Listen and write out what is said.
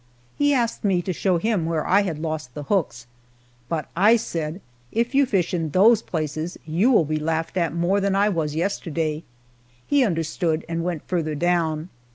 He asked me to show him where I had lost the hooks, but I said, "If you fish in those places you will be laughed at more than I was yesterday." He understood, and went farther down.